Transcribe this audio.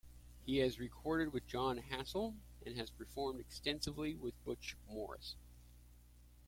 He has recorded with Jon Hassell, and has performed extensively with Butch Morris.